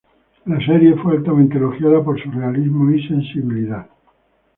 La serie fue altamente elogiada por su realismo y sensibilidad,